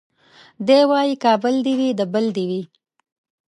دی وايي کابل دي وي د بل دي وي